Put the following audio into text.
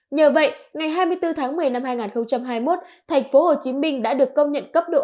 nhờ vậy ngày hai mươi bốn tháng một mươi năm hai nghìn hai mươi một thành phố hồ chí minh đã được công nhận